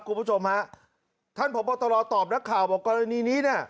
คุณผู้ชมฮะท่านผ่วงตลอดตอบนักข่าวบอกกรณีนี้น่ะ